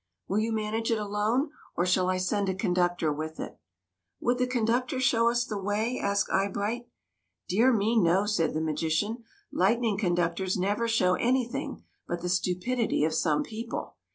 Will you manage it alone, or shall I send a conductor with it ?"" Would the conductor show us the way ?" asked Eyebright. " Dear me, no," said the magician. " Light ning conductors never show anything but the stupidity of some people.